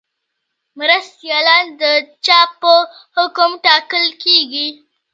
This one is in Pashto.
مرستیالان د چا په حکم ټاکل کیږي؟